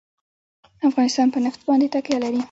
افغانستان په نفت باندې تکیه لري.